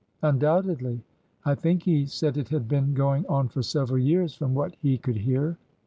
Undoubtedly. I think he said it had been going on for several years, from what he could hear."